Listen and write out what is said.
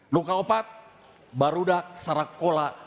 nukah opat barudak sarakola